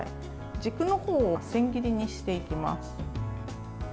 軸のほうを千切りにしていきます。